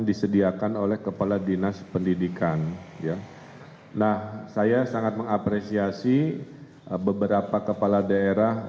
disediakan oleh kepala dinas pendidikan ya nah saya sangat mengapresiasi beberapa kepala daerah